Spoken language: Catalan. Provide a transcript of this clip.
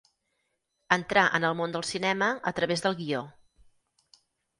Entrà en el món del cinema a través del guió.